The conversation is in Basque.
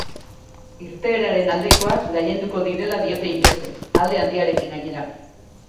Irteeraren aldekoak gailenduko direla diote inkestek, alde handiarekin, gainera.